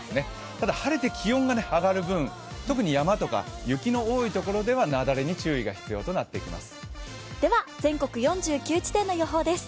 ただ、晴れて気温が上がる分、特に山とか雪の多い所では雪崩に注意が必要となってきます。